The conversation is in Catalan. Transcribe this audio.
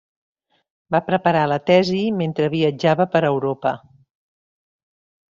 Va preparar la tesi mentre viatjava per Europa.